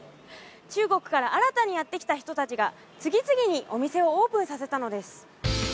中国から新たにやって来た人達が次々にお店をオープンさせたのです